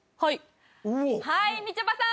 はいみちょぱさん